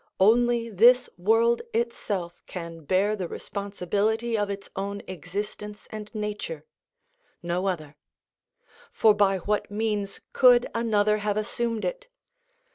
Only this world itself can bear the responsibility of its own existence and nature—no other; for by what means could another have assumed it?